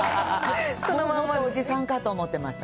おじさんかと思ってました。